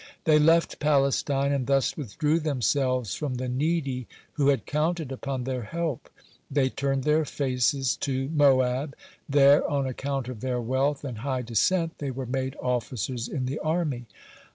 They left Palestine, and thus withdrew themselves from the needy who had counted upon their help. They turned their faced to Moab. (37) There, on account of their wealth and high descent, they were made officers in the army.